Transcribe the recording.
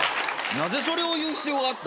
なぜそれを言う必要があった？